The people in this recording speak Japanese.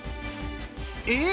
え？